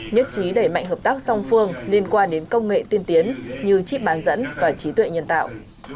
nhất trí đẩy mạnh hợp tác song phương liên quan đến công nghệ tiên tiến như chip bán dẫn và trí tuệ nhân tạo